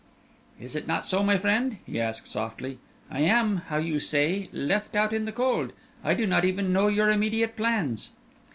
"Is it not so, my friend?" he asked, softly. "I am how you say left out in the cold I do not even know your immediate plans."